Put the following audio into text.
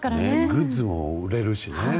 グッズも売れるしね。